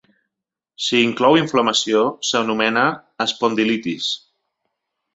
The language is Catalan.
Si inclou inflamació, s'anomena espondilitis.